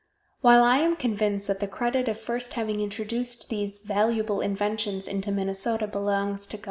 While I am convinced that the credit of first having introduced these valuable inventions into Minnesota belongs to Gov.